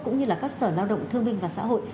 cũng như là các sở lao động thương minh và xã hội